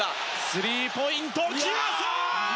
スリーポイント決まった！